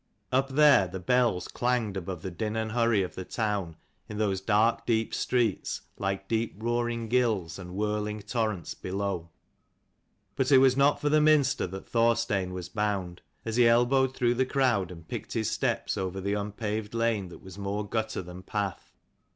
Up there the bells clanged above the din and hurry of the town in those dark deep streets, like deep roaring gills and whirling torrents below. But it was not for the Minster that Thorstein was bound, as he elbowed through the crowd, and picked his steps over the unpaved lane that was more gutter than path.